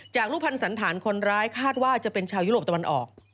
รูปภัณฑ์สันฐานคนร้ายคาดว่าจะเป็นชาวยุโรปตะวันออก